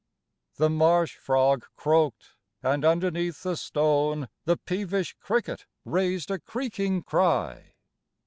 The marsh frog croaked; and underneath the stone The peevish cricket raised a creaking cry.